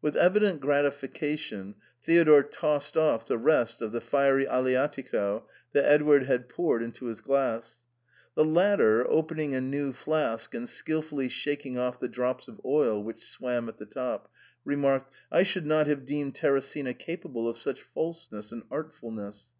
With evident gratification Theodore tossed off the rest of the fiery Aleatico * that Edward had poured into his glass. The latter, opening a new flask and skilfully shaking off the drops of oil ' which swam at the top, remarked, " I should not have deemed Teresina capa ble of such falseness and artfulness.